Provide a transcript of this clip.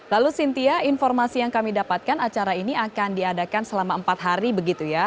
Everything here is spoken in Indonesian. lalu sintia informasi yang kami dapatkan acara ini akan diadakan selama empat hari begitu ya